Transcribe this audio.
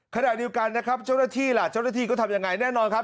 ขณะเดียวกันนะครับเจ้าหน้าที่ล่ะเจ้าหน้าที่ก็ทำยังไงแน่นอนครับ